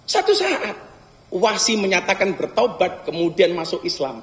satu saat wasi menyatakan bertobat kemudian masuk islam